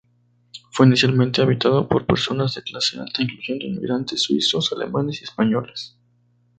Fue inicialmente habitado por personas de clase alta incluyendo inmigrantes suizos, alemanes y españoles.